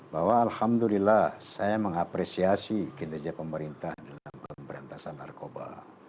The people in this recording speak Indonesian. bahwa alhamdulillah saya mengapresiasi kinerja pemerintah dalam pemberantasan narkoba